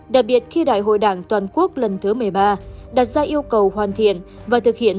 đặc biệt khi đại hội đảng toàn quốc lần thứ một mươi ba đặt ra yêu cầu hoàn thiện